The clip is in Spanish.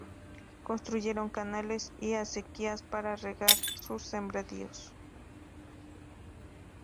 Construyeron canales y acequias para regar sus sembradíos.